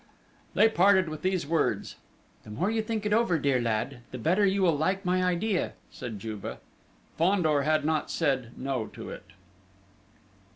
They parted with these words: "The more you think it over, dear lad, the better you will like my idea," said Juve. Fandor had not said "No" to it!